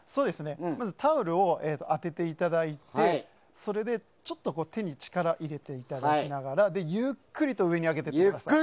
まずタオルを当てていただいてそれで、ちょっと手に力を入れていただきながらゆっくりと上に上げてください。